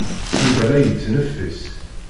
Yuba la yettneffis.